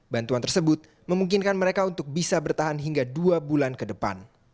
bantuan tersebut memungkinkan mereka untuk bisa bertahan hingga dua bulan ke depan